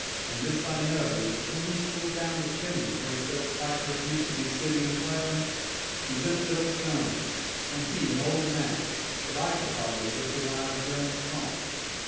And this I know, that when he pulled down the chimney where he said the piper used to be sitting and playing, he lifted up stones, and he an old man, that I could not have lifted when I was young and strong.'